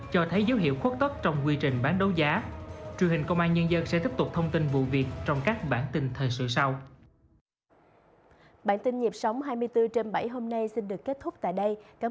cho thấy dấu hiệu khuất tất trong quy trình bán đấu giá